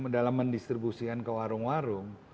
dalam mendistribusikan ke warung warung